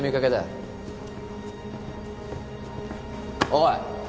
おい！